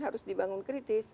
harus dibangun kritis